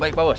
baik pak bos